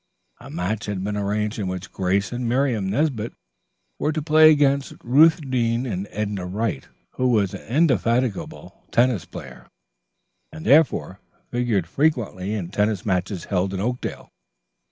A match had been arranged in which Grace and Miriam Nesbit were to play against Ruth Deane and Edna Wright, who was an indefatigable tennis player, and therefore figured frequently in tennis matches held in Oakdale.